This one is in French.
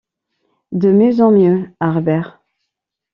De mieux en mieux, Harbert